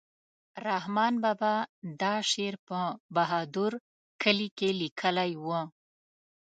رحمان بابا دا شعر په بهادر کلي کې لیکلی و.